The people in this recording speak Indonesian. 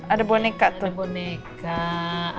ada boneka tuh